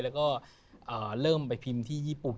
แล้วก็เริ่มไปพิมพ์ที่ญี่ปุ่น